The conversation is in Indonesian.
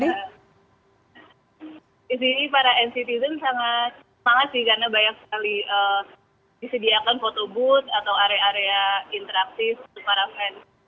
di sini para nctzen sangat semangat sih karena banyak sekali disediakan photo booth atau area area interaktif untuk para fans